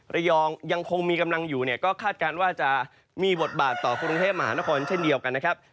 ยังคงมีกำลังอยู่เนี่ยก็คาดการณ์ว่าจะมีบทบาทต่อกรุงเทพมหานครเช่นเดียวกันนะครับ